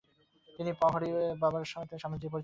তিনিই পওহারী বাবার সহিত স্বামীজীর পরিচয় করাইয়া দেন।